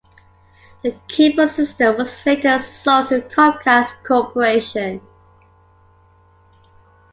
The cable system was later sold to Comcast Corporation.